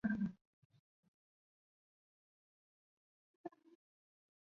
维耶伊莱。